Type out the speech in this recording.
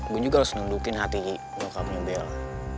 gue juga harus nundukin hati nyokapnya bella